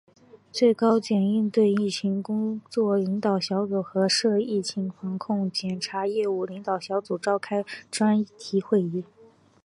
最高检应对疫情工作领导小组和涉疫情防控检察业务领导小组召开专题会议